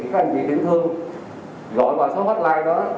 các anh chị tiểu thương gọi vào số hotline đó